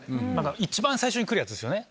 一番最初にくるやつですよね